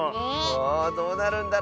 あどうなるんだろうね。